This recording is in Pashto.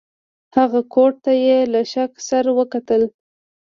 هغه کوټ ته یې له شک سره وکتل.